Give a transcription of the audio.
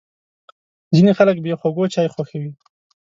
ځینې خلک بې خوږو چای خوښوي.